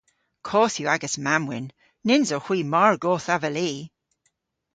Koth yw agas mamm-wynn. Nyns owgh hwi mar goth avelli!